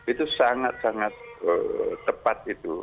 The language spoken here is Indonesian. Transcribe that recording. itu sangat sangat tepat itu